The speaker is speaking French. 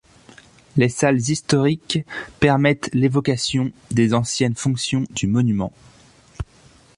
Les salles historiques permettent l’évocation des anciennes fonctions du monument.